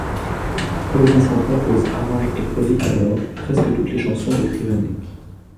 Paul Vincent compose, arrange et produit alors presque toutes les chansons de Kriwanek.